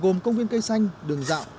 gồm công viên cây xanh đường dạo